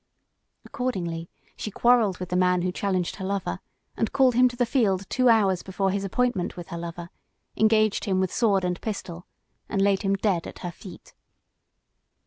Accordingly she quarrelled with the man who challenged her lover, and called him to the field two hours before his appointment with her lover, engaged him with sword and pistol, and laid him dead at her feet.